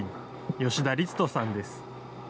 吉田律人さんです。